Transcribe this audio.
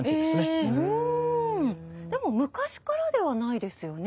でも昔からではないですよね？